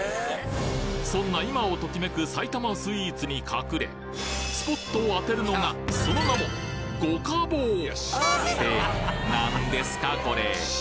そんな今を時めく埼玉スイーツに隠れスポットを当てるのがその名もって何ですかこれ？